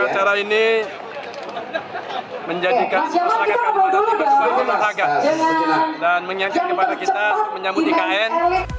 cara ini menjadikan masyarakat kalimantan timur lebih mahal dan menyakit kepada kita menyambut ikn